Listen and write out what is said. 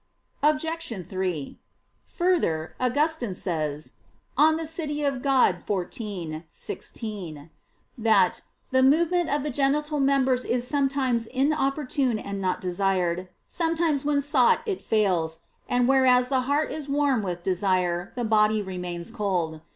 Obj. 3: Further, Augustine says (De Civ. Dei xiv, 16) that "the movement of the genital members is sometimes inopportune and not desired; sometimes when sought it fails, and whereas the heart is warm with desire, the body remains cold."